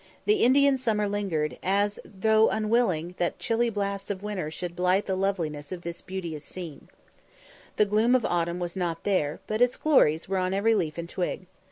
The Indian summer lingered, as though unwilling that the chilly blasts of winter should blight the loveliness of this beauteous scene. The gloom of autumn was not there, but its glories were on every leaf and twig.